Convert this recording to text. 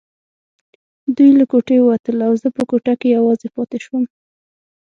دوی له کوټې ووتل او زه په کوټه کې یوازې پاتې شوم.